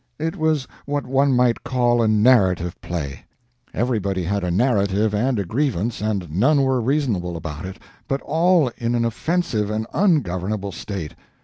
It was what one might call a narrative play. Everybody had a narrative and a grievance, and none were reasonable about it, but all in an offensive and ungovernable state.